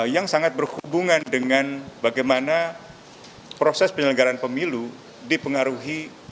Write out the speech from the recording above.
yang sangat berhubungan dengan bagaimana proses penyelenggaran pemilu dipengaruhi